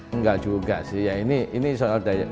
enggak juga sih ya ini soal daya